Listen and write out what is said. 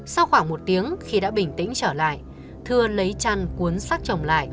sau khoảng một tiếng khi đã bình tĩnh trở lại thưa lấy chăn cuốn xác chồng lại